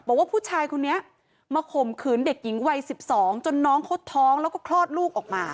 บอกว่าผู้ชายคนนี้มาข่มขืนเด็กหญิงวัย๑๒จนน้องเขาท้องแล้วก็คลอดลูกออกมา